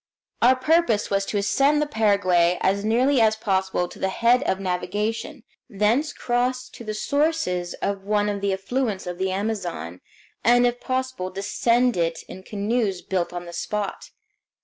Our purpose was to ascend the Paraguay as nearly as possible to the head of navigation, thence cross to the sources of one of the affluents of the Amazon, and if possible descend it in canoes built on the spot.